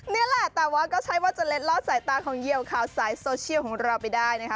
นี่แหละแต่ว่าก็ใช่ว่าจะเล็ดลอดสายตาของเหยียวข่าวสายโซเชียลของเราไปได้นะคะ